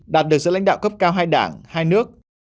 đạt được giữa lãnh đạo cấp cao hai đảng hai nước